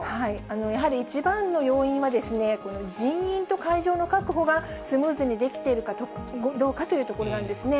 やはり一番の要因はですね、人員と会場の確保がスムーズにできているかどうかというところなんですね。